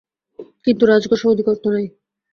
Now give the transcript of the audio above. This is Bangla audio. কিন্তু রাজকোষে অধিক অর্থ নাই।